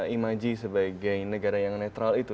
imaji sebagai negara yang netral itu